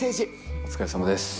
お疲れさまです。